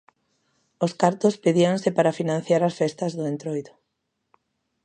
Os cartos pedíanse para financiar as festas do Entroido.